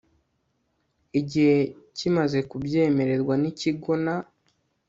igihe kimaze kubyemererwa n ikigo na